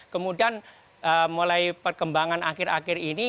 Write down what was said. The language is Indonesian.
kemudian mulai perkembangan akhir akhir ini